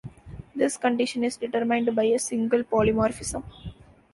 This condition is determined by a single polymorphism.